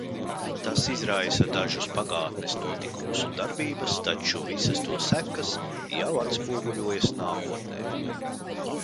Tas izraisa dažus pagātnes notikumus un darbības, taču visas to sekas jau atspoguļojas nākotnē.